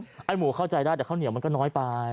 ไอ้หมูเข้าใจได้แต่ข้าวเหนียวมันก็น้อยไป